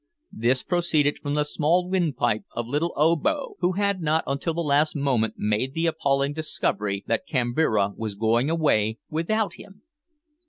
This proceeded from the small windpipe of little Obo, who had not until the last moment made the appalling discovery that Kambira was going away without him!